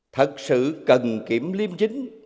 thật sự cần kiểm liêm chính